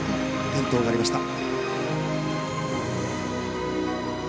転倒がありました。